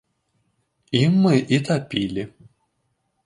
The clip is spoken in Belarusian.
Ім мы і тапілі.